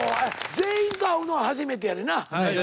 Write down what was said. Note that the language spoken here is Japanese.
全員と会うのは初めてやねんな。